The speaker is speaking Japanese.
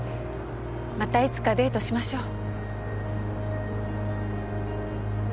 またいつかデートしましょう。